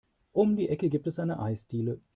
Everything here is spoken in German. Um die Ecke gibt es eine Eisdiele.